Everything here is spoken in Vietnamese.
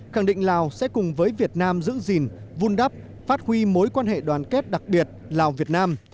khẳng định lào sẽ cùng với việt nam giữ gìn vun đắp phát huy mối quan hệ đoàn kết đặc biệt lào việt nam